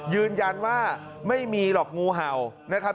ยืนยันว่าไม่มีหรอกงูเห่านะครับ